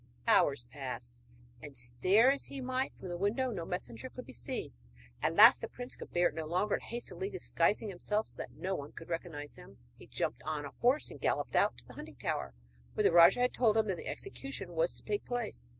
Hours passed, and stare as he might from the window no messenger could be seen. At last the prince could bear it no longer, and hastily disguising himself so that no one should recognise him, he jumped on a horse and galloped out to the hunting tower, where the rajah had told him that the execution was to take place.